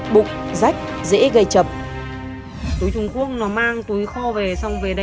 bụng rách dễ gây chập